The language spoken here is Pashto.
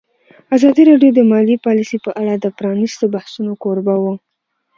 ازادي راډیو د مالي پالیسي په اړه د پرانیستو بحثونو کوربه وه.